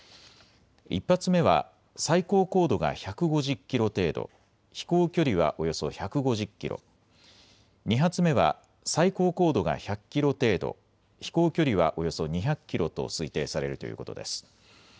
１発目は最高高度が１５０キロ程度、飛行距離はおよそ１５０キロ、２発目は最高高度が１００キロ程度、飛行距離はおよそ２００キロと推定されるということです。